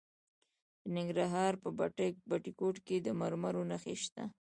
د ننګرهار په بټي کوټ کې د مرمرو نښې شته.